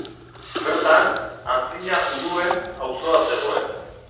Bertan, antzina juduen auzoa zegoen.